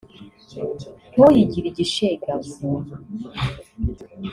ntiyigire igishegabo